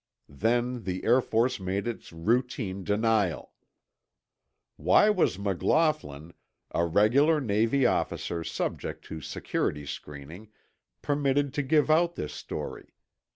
Then the Air Force made its routine denial. Why was McLaughlin, a regular Navy officer subject to security screening, permitted to give out this story?